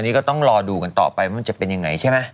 นี่ก็ต้องรอดูกันต่อไปว่ามันจะเป็นยังไงใช่ไหม